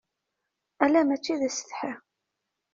Ala mačči d asetḥi.